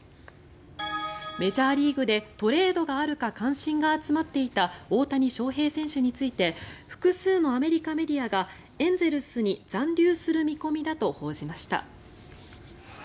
メジャーリーグでトレードがあるか関心が集まっていた大谷翔平選手について複数のアメリカメディアがエンゼルスに残留する見込みだと報じました。